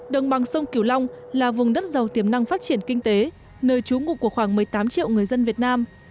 đồng bằng sông kiểu long là vùng đất giàu tiềm năng phát triển kinh tế nơi trú ngụ của khoảng một mươi tám triệu người dân việt nam